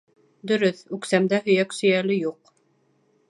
Дөрөҫ, үксәмдә һөйәк сөйәле юҡ.